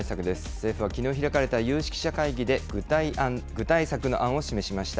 政府はきのう開かれた有識者会議で具体策の案を示しました。